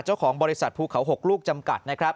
เจ้าของบริษัทภูเขา๖ลูกจำกัดนะครับ